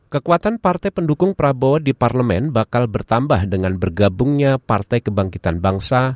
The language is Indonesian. kekuatan partai pendukung prabowo di parlemen bakal bertambah dengan bergabungnya partai kebangkitan bangsa